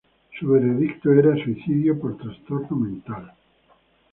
Su veredicto era, "Suicidio, por trastorno mental".